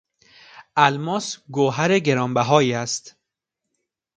الماس گوهر گرانبهایی است.